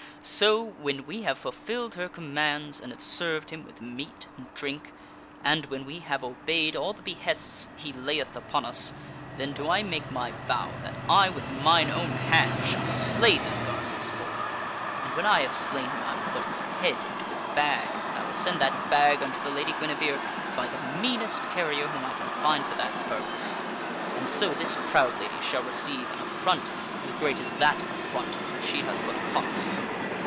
So, when we have fulfilled her commands and have served him with meat and drink, and when we have obeyed all the behests he layeth upon us; then do I make my vow that I, with mine own hand, shall slay that gar dener's boy. And when I have slain him, I will put his head into a bag, and I will send that bag unto the Lady Guinevere by the meanest carrier whom I can find for that purpose. And so this proud lady shall receive an affront as great as that affront which she hath put upon us."